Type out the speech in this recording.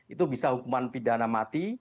itu bisa hukuman pidana mati